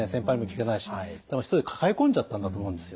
一人で抱え込んじゃったんだと思うんですよ。